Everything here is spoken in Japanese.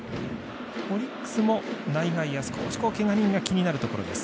オリックスも内外野、少しけが人が気になるところです。